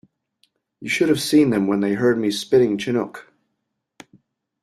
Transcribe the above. You should have seen them when they heard me spitting Chinook.